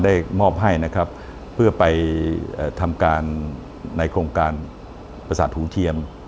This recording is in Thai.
ได้มอบให้นะครับเพื่อไปทำการในโครงการประสาทหุงเทียน